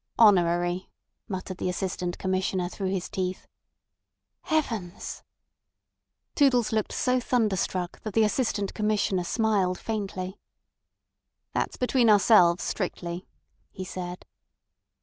"Honorary," muttered the Assistant Commissioner through his teeth. "Heavens!" Toodles looked so thunderstruck that the Assistant Commissioner smiled faintly. "That's between ourselves strictly," he said.